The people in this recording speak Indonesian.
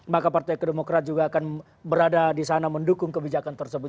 maka partai demokrat juga akan berada disana mendukung kebijakan tersebut